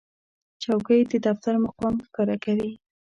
چوکۍ د دفتر مقام ښکاره کوي.